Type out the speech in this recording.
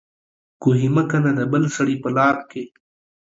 کوهي مه کنه د بل سړي په لار کې